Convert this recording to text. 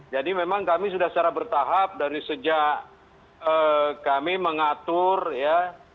jadi memang kami sudah secara bertahap dari sejak kami mengatur ya